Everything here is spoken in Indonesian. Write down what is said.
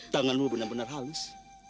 tanganmu benar benar halus